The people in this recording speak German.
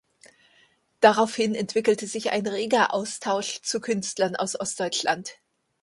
Daraufhin entwickelte sich ein reger Austausch zu Künstlern aus Ostdeutschland.